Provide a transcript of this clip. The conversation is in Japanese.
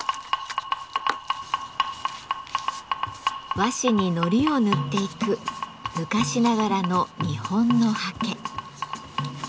和紙に糊を塗っていく昔ながらの日本の刷毛。